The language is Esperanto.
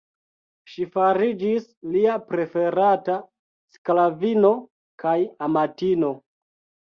Ŝi fariĝis lia preferata sklavino kaj amatino.